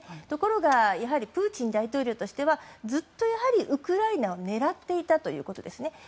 ところがプーチン大統領としてはずっとやはりウクライナを狙っていたということですね。